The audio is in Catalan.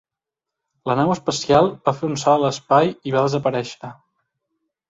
La nau espacial va fer un salt a l"espai i va desaparèixer.